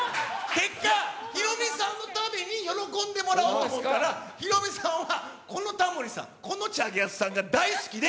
結果、ヒロミさんのために喜んでもらうんですから、ヒロミさんは、このタモリさん、このチャゲアスさんが大好きで。